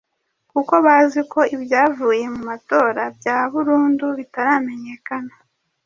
kuko bazi ko ibyavuye mu matora bya burundu bitaramenyekana.